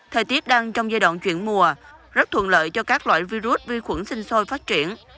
thời tiết đang trong giai đoạn chuyển mùa rất thuận lợi cho các loại virus vi khuẩn sinh sôi phát triển